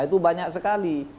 itu banyak sekali